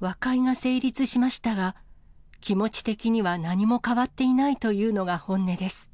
和解が成立しましたが、気持ち的には何も変わっていないというのが本音です。